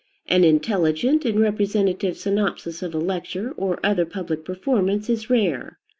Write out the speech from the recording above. An intelligent and representative synopsis of a lecture or other public performance is rare.